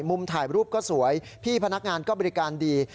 มุมถ่ายรูปก็สวยพี่พนักงานก็บริการดี